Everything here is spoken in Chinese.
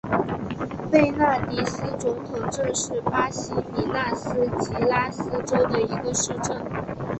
贝纳迪斯总统镇是巴西米纳斯吉拉斯州的一个市镇。